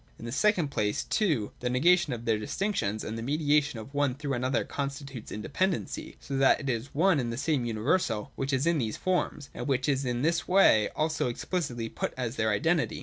In the second place, (2) the negation of their distinctions and of the mediation of 328 THE DOCTRINE OF THE NOTION. [192. one through another constitutes independency ; so that it is one and the same universal which is in these forms, and which is in this way also explicitly put as their identity.